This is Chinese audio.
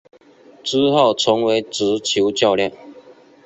之后成为足球教练。